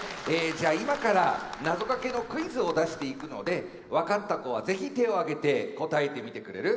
じゃあ今からなぞかけのクイズを出していくので分かった子は是非手を挙げて答えてみてくれる？